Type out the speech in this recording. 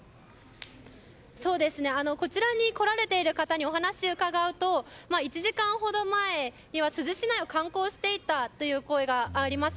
こちらに来られている方にお話を伺うと、１時間ほど前には珠洲市内を観光していたという声があります。